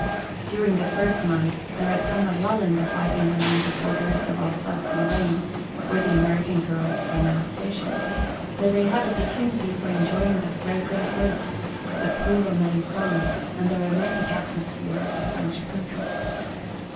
During the first months there had come a lull in the fighting along the borders of Alsace Lorraine, where the American girls were now stationed. So they had opportunity for enjoying the fragrant woods, "the pool of Melisande" and the romantic atmosphere of the French country.